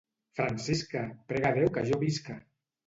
Francisca! prega a Déu que jo visca!